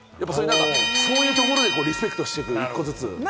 そういうところでリスペクトしていく、一個ずつ。